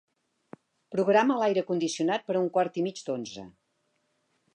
Programa l'aire condicionat per a un quart i mig d'onze.